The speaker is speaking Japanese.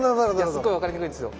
すっごい分かりにくいんですよ。